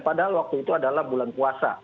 padahal waktu itu adalah bulan puasa